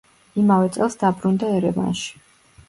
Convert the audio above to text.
იმავე წელს დაბრუნდა ერევანში.